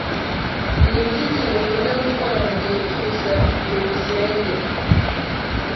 Niki kintu ukunda gukora mugihe cyubusa? byukusenge